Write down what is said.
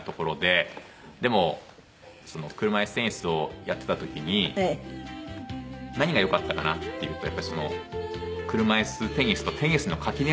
でも車いすテニスをやってた時に何がよかったかなっていうとやっぱり車いすテニスとテニスの垣根の低さが。